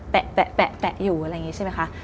แปะอยู่อะไรอย่างนี้ใช่ไหมคะ